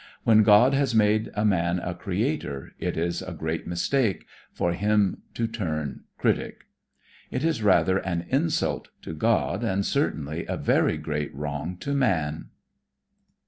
When God has made a man a creator, it is a great mistake for him to turn critic. It is rather an insult to God and certainly a very great wrong to man.